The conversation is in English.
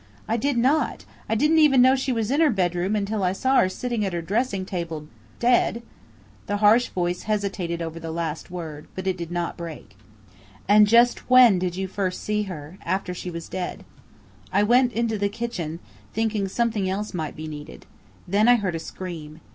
"I did not! I didn't even know she was in her bedroom, until I saw her sitting at her dressing table dead." The harsh voice hesitated over the last word, but it did not break. "And just when did you first see her after she was dead?" "I went into the kitchen, thinking something else might be needed. Then I heard a scream.